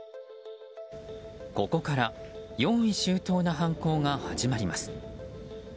ここから用意周到な犯行が始まります。